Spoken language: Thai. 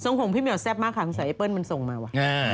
ทรงห่วงพี่เมียวแซ่บมากค่ะคงใส่ไอ้เปิ้ลมันทรงมาว่ะ